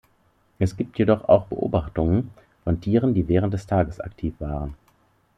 Es gibt jedoch auch Beobachtungen von Tieren, die während des Tages aktiv waren.